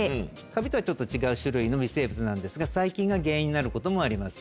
カビとはちょっと違う種類の微生物なんですが細菌が原因になることもあります。